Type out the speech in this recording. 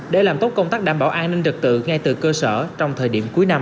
để làm tốt công tác đảm bảo an ninh trật tự ngay từ cơ sở trong thời điểm cuối năm